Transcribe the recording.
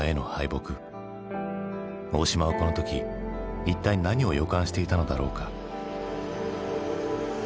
大島はこの時一体何を予感していたのだろうか。